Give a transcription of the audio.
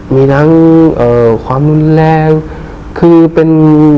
มีทั้งความรุนแรงคือเป็น